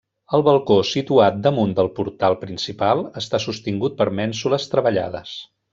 El balcó situat damunt del portal principal està sostingut per mènsules treballades.